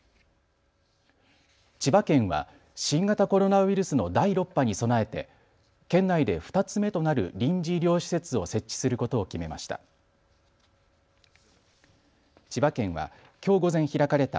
千葉県は新型コロナウイルスの第６波に備えて県内で２つ目となる臨時医療施設を設置することを決めました。